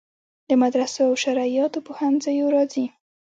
له مدرسو او شرعیاتو پوهنځیو راځي.